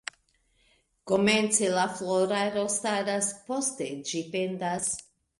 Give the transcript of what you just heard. Komence la floraro staras, poste ĝi pendas.